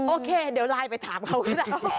โอเคเดี๋ยวไลน์ไปถามเขาก็ได้